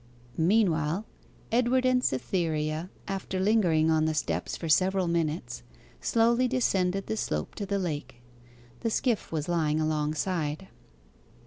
Meanwhile Edward and Cytherea, after lingering on the steps for several minutes, slowly descended the slope to the lake. The skiff was lying alongside.